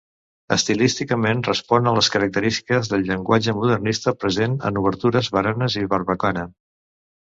Estilísticament respon a les característiques del llenguatge modernista present en obertures, baranes i barbacana.